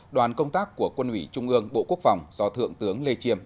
đoàn công tác của quân ủy trung ương bộ quốc phòng do thượng tướng lê chiêm